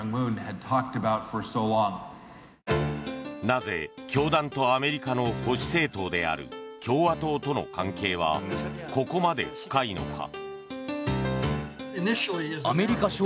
なぜ、教団とアメリカの保守政党である共和党との関係はここまで深いのか。